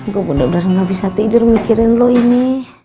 gue bener bener gak bisa tidur mikirin lo ini